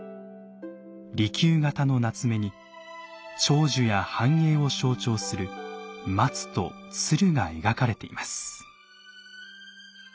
利休形の棗に長寿や繁栄を象徴する松と鶴が描かれています。